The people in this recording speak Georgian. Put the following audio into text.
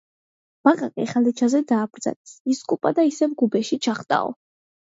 ბაყაყი ხალიჩაზე დააბრძანეს, ისკუპა და ისევ გუბეში ჩახტაო